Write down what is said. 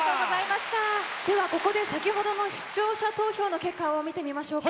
ではここで先ほどの視聴者投票の結果を見てみましょうか。